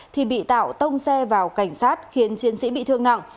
thì bị tạo tông xe vào cảnh sát khiến chiến sĩ bị thương nặng